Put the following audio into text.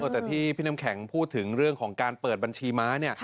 แต่ที่พี่น้ำแข็งพูดถึงเรื่องของการเปิดบัญชีม้าเนี่ย